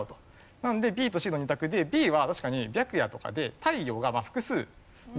なのでＢとＣの２択でＢは確かに白夜とかで。